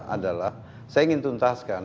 adalah saya ingin tuntaskan